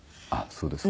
そうですか。